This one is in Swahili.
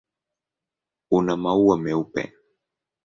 Una maua meupe.